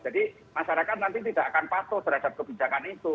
jadi masyarakat nanti tidak akan patuh terhadap kebijakan itu